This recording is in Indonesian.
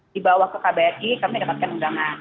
di bawah ke kbri kami mendapatkan undangan